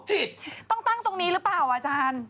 จิตต้องตั้งตรงนี้หรือเปล่าอาจารย์